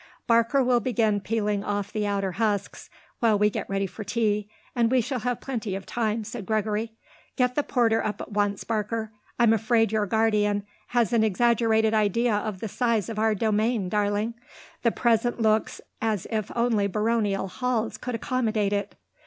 "Barker will begin peeling off the outer husks while we get ready for tea; we shall have plenty of time," said Gregory. "Get the porter up at once, Barker. I'm afraid your guardian has an exaggerated idea of the size of our domain, darling. The present looks as if only baronial halls could accommodate it."